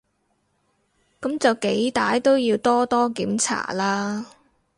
噉就幾歹都要多多檢查啦